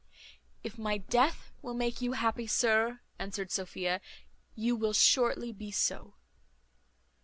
"If my death will make you happy, sir," answered Sophia, "you will shortly be so."